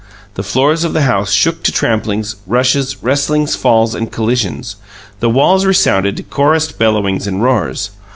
The floors of the house shook to tramplings, rushes, wrestlings, falls and collisions. The walls resounded to chorused bellowings and roars.